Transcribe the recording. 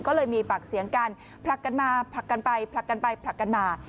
ก็เลยมีปากเสียงกันผลักกันมาผลักกันไปผลักกันไปผลักกันมา